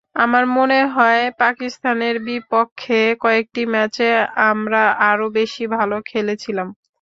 আমার মনে হয়, পাকিস্তানের বিপক্ষে কয়েকটি ম্যাচে আমরা আরও বেশি ভালো খেলেছিলাম।